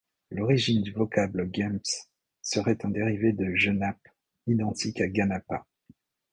L'origine du vocable Guemps serait un dérivé de Genape, identique à Ganapa.